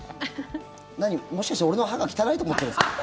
何、もしかして俺の歯が汚いと思っているんですか？